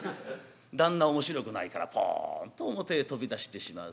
旦那面白くないからポンと表へ飛び出してしまう。